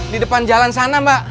di depan jalan sana mbak